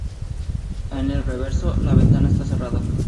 En el reverso, la ventana está cerrada.